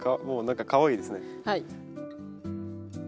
もう何かかわいいですね。